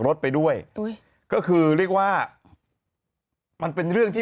รถไปด้วยอุ้ยก็คือเรียกว่ามันเป็นเรื่องที่